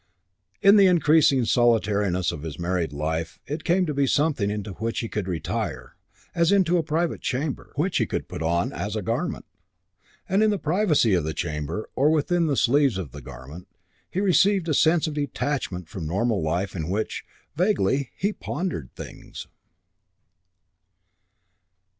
In the increasing solitariness of his married life, it came to be something into which he could retire, as into a private chamber; which he could put on, as a garment: and in the privacy of the chamber, or within the sleeves of the garment, he received a sense of detachment from normal life in which, vaguely, he pondered things.